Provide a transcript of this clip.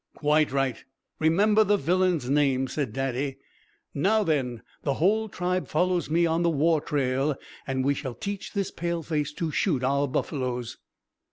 "Quite right! Remember the villain's name!" said Daddy. "Now, then, the whole tribe follows me on the war trail and we shall teach this Paleface to shoot our buffaloes."